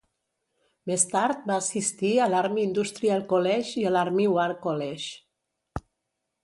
Més tard va assistir a l'Army Industrial College i a l'Army War College.